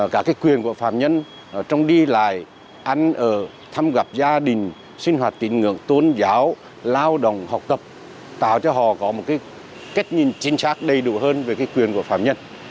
các quyền của phạm nhân trong đi lại ăn ở thăm gặp gia đình sinh hoạt tín ngưỡng tôn giáo lao động học tập tạo cho họ có một cách nhìn chính xác đầy đủ hơn về cái quyền của phạm nhân